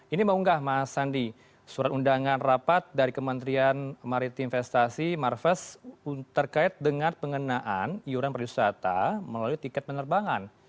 ini mau nggak mas sandi surat undangan rapat dari kementerian maritim investasi marves terkait dengan pengenaan iuran perwisata melalui tiket penerbangan